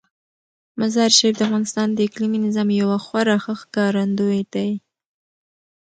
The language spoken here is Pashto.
مزارشریف د افغانستان د اقلیمي نظام یو خورا ښه ښکارندوی دی.